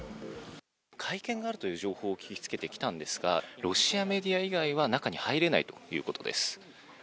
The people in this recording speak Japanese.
会見があるという情報を聞きつけて来たんですがロシアメディア以外は中に入れないということです。